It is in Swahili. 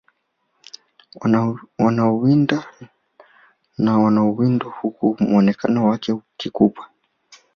Wanaowinda na wanaowindwa huku muonekano wake ukikupa